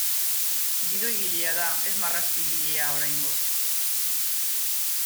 Gidoigilea da ez marrazkigilea, oraingoz.